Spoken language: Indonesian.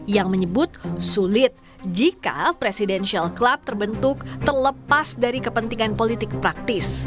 yang menyebut sulit jika presidential club terbentuk terlepas dari kepentingan politik praktis